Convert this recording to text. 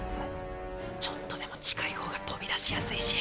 ちょっとでも近い方が飛び出しやすいし。